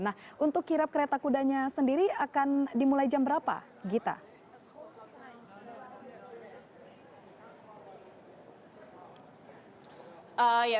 nah untuk kirap kereta kudanya sendiri akan dimulai jam berapa gita